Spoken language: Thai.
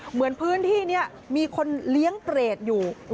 เหมือนพื้นที่นี้มีคนเลี้ยงเปรตอยู่